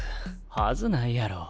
恥ずないやろ。